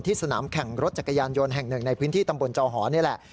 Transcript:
สนามแข่งรถจักรยานยนต์แห่งหนึ่งในพื้นที่ตำบลจอหอนี่แหละ